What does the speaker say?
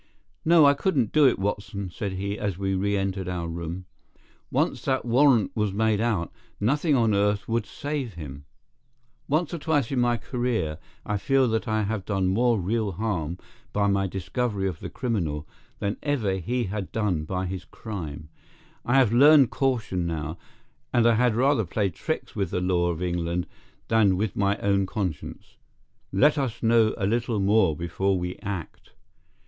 "No, I couldn't do it, Watson," said he, as we reentered our room. "Once that warrant was made out, nothing on earth would save him. Once or twice in my career I feel that I have done more real harm by my discovery of the criminal than ever he had done by his crime. I have learned caution now, and I had rather play tricks with the law of England than with my own conscience. Let us know a little more before we act."